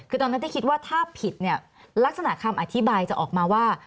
คือตอนนั้นที่คิดว่าถ้าผิดเนี่ยลักษณะคำอธิบายจะออกมาว่า